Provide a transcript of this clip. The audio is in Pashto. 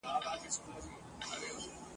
کلونه مي پر لار د انتظار کړلې شپې سپیني !.